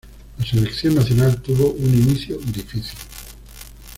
La selección nacional tuvo un inicio difícil.